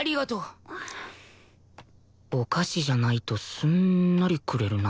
お菓子じゃないとすんなりくれるな